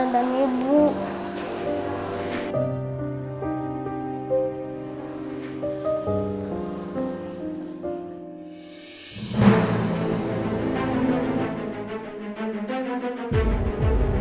dan ini juga belum seberapa